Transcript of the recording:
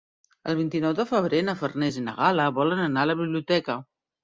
El vint-i-nou de febrer na Farners i na Gal·la volen anar a la biblioteca.